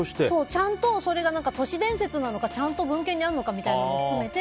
ちゃんとそれが都市伝説なのかちゃんと文献にあるのかみたいなのも含めて。